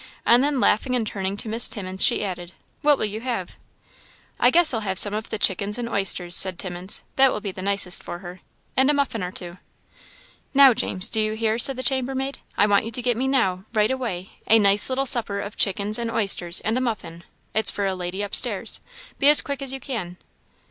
and then laughing and turning to Miss Timmins, she added, "What will you have?" "I guess I'll have some of the chickens and oysters," said Timmins; "that will be the nicest for her and a muffin or two." "Now, James, do you hear?" said the chambermaid; "I want you to get me now, right away, a nice little supper of chickens and oysters, and a muffin it's for a lady upstairs. Be as quick as you can."